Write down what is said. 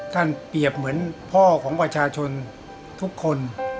เปรียบเหมือนพ่อของประชาชนทุกคน